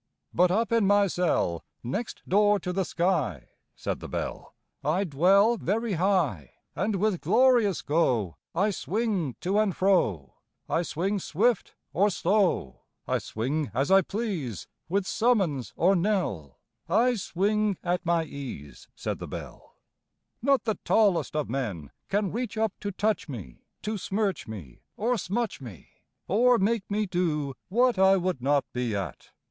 But up in my cell Next door to the sky, Said the Bell, I dwell Very high; And with glorious go I swing to and fro; I swing swift or slow, I swing as I please, With summons or knell; I swing at my ease, Said the Bell: Not the tallest of men Can reach up to touch me, To smirch me or smutch me, Or make me do what I would not be at!